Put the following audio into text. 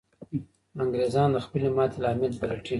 انګریزان د خپلې ماتې لامل پلټي.